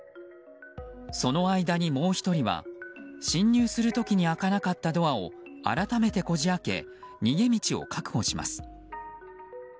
その間にもう１人は侵入する時に開かなかったドアを改めてこじ開け逃げ道を確保します。